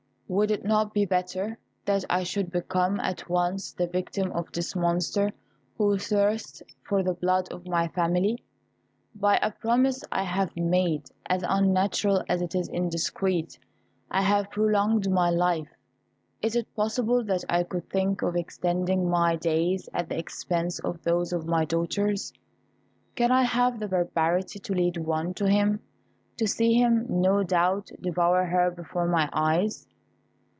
"Would it not be better that I should become at once the victim of this monster who thirsts for the blood of my family? By a promise I have made, as unnatural as it is indiscreet, I have prolonged my life. Is it possible that I could think of extending my days at the expense of those of my daughters? Can I have the barbarity to lead one to him, to see him, no doubt, devour her before my eyes?"